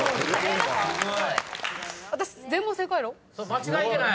間違えてない。